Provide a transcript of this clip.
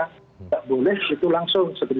tidak boleh itu langsung seperti